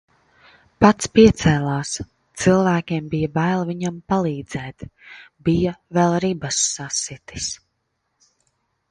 Pats piecēlās, cilvēkiem bija bail viņam palīdzēt. Bija vēl ribas sasitis.